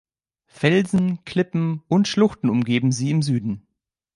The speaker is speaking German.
Felsen, Klippen und Schluchten umgeben sie im Süden.